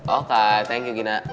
oh kak thank you gina